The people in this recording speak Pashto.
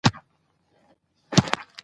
ادب د سولې پیغام رسوي.